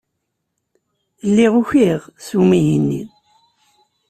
Lliɣ ukiɣ s umihi-nni.